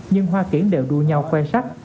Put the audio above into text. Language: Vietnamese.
nhưng hoa kiển đều đua nhau khoai sắc